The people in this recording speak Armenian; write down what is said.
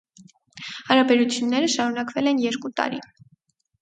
Հարաբերությունները շարունակվել են երկու տարի։